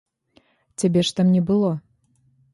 Цябе ж там не было.